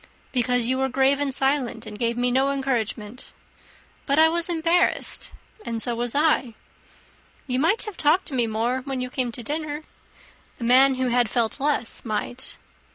"Because you were grave and silent, and gave me no encouragement." "But I was embarrassed." "And so was I." "You might have talked to me more when you came to dinner." "A man who had felt less might."